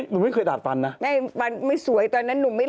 หนูไม่เคยดาดฟันนะไม่ฟันไม่สวยตอนนั้นหนูไม่รู้